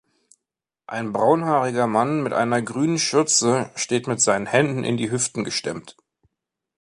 Ein braunhaariger Mann mit einer grünen Schürze steht mit seinen Händen in die Hüften gestemmt.